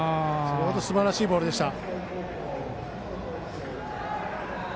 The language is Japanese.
すばらしいボールでした。